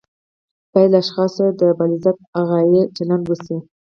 باید له اشخاصو سره د بالذات غایې چلند وشي.